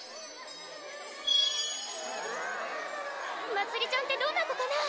まつりちゃんってどんな子かな？